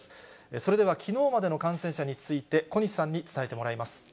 それでは、きのうまでの感染者について、小西さんに伝えてもらいます。